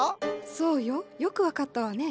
そうよよく分かったわね。